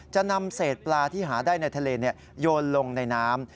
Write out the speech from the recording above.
จะนำเศษปลาที่หาได้ในทะเลโยนลงในน้ำ